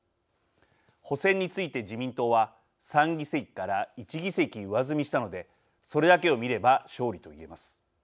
補選について自民党は３議席から１議席上積みしたのでそれだけを見れば勝利と言えます。